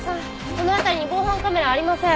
この辺りに防犯カメラはありません。